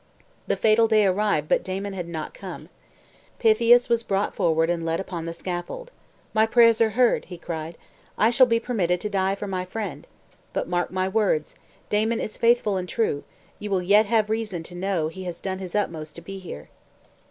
The fatal day arrived but Damon had not come. Pythias was brought forward and led upon the scaffold. "My prayers are heard," he cried. "I shall be permitted to die for my friend. But mark my words. Damon is faithful and true; you will yet have reason to know that he has done his utmost to be here!"